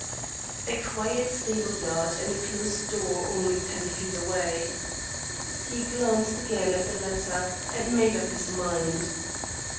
A quiet stable yard and a closed door only ten feet away! He glanced again at the latter, and made up his mind.